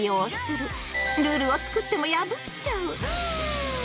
ルールを作っても破っちゃう。